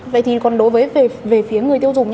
vậy thì còn đối với về phía người tiêu dùng